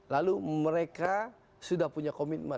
lalu mereka sudah punya komitmen